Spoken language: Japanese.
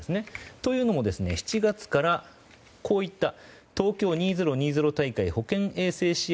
というのも、７月から東京２０２０大会保健衛生支援